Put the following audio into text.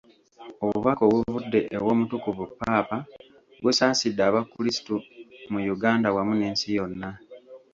Obubaka obuvudde ew’Omutukuvu Ppaapa busaasidde abakristu mu Uganda wamu n’ensi yonna.